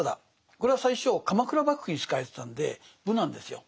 これは最初鎌倉幕府に仕えてたんで「武」なんですよ。